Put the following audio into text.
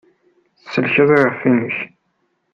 Tsellkeḍ iɣef-nnek.